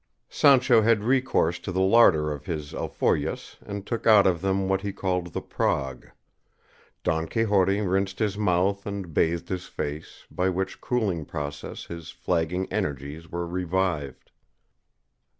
Sancho had recourse to the larder of his alforjas and took out of them what he called the prog; Don Quixote rinsed his mouth and bathed his face, by which cooling process his flagging energies were revived.